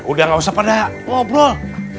udah gak usah pada ngobrol